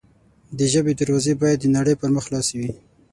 د ژبې دروازې باید د نړۍ پر مخ خلاصې وي.